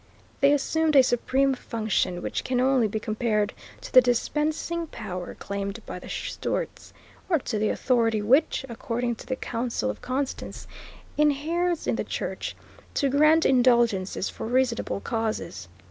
They assumed a supreme function which can only be compared to the Dispensing Power claimed by the Stuarts, or to the authority which, according to the Council of Constance, inheres in the Church, to "grant indulgences for reasonable causes."